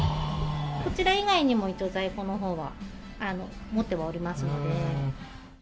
こちら以外にも一応在庫のほうは持ってはおりますので。